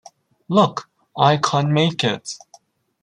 'Look, I can make it.